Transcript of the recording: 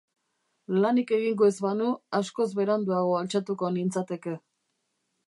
Lanik egingo ez banu askoz beranduago altxatuko nintzateke.